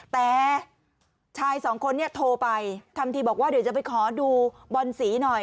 แต่ชายสองคนเนี่ยโทรไปทำทีบอกว่าเดี๋ยวจะไปขอดูบอลสีหน่อย